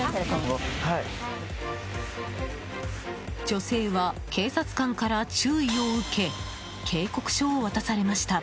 女性は警察官から注意を受け警告書を渡されました。